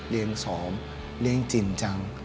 เล่นสอบเล่นจริงจัง